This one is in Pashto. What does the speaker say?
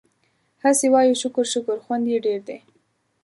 هسې وايو شکر شکر خوند يې ډېر دی